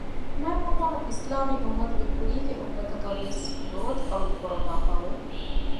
މާތްﷲ އިސްލާމީ އުއްމަތުގެ ކުރީގެ އުއްމަތަކަށްވެސް ރޯދަ ފަރްޟުކުރައްވާފައި ވެ